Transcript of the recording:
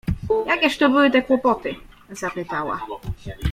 — Jakież to były te kłopoty? — zapytała.